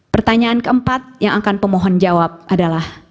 pertanyaan keempat yang akan pemohon jawab adalah